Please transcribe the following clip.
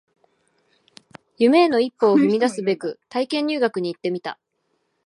夢への一歩を踏み出すべく体験入学に行ってみた